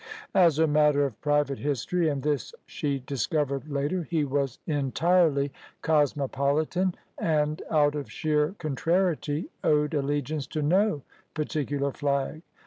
As a matter of private history, and this she discovered later, he was entirely cosmopolitan, and, out of sheer contrariety, owed allegiance to no particular flag.